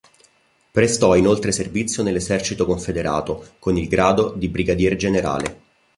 Prestò inoltre servizio nell'Esercito confederato con il grado di brigadier generale.